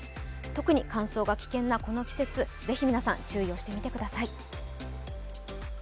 特に乾燥が危険なこの季節、ぜひ皆さん注意してください。